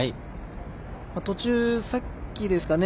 途中、さっきですかね